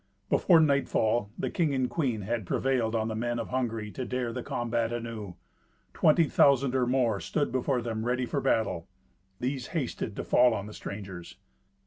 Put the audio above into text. Before nightfall the king and queen had prevailed on the men of Hungary to dare the combat anew. Twenty thousand or more stood before them ready for battle. These hasted to fall on the strangers.